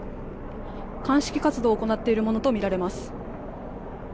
鑑識活動を行っているものとみられます。